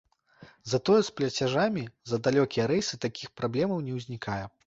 Затое з плацяжамі за далёкія рэйсы такіх праблемаў не ўзнікае.